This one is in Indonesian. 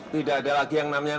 tidak ada lagi yang namanya